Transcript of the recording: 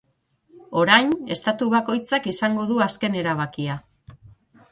Orain, estatu bakoitzak izango du azken erabakia.